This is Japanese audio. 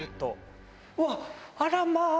うわっあらま！